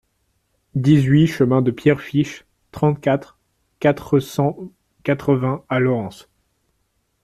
dix-huit chemin de Pierrefiche, trente-quatre, quatre cent quatre-vingts à Laurens